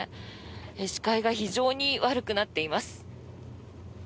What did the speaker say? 視界が非常に悪くなっています。